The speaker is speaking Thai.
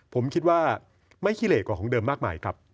ผมคิดว่าไม่ขี้เหลกกว่าของเดิมมากมายครับ